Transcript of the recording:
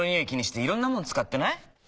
気にしていろんなもの使ってない？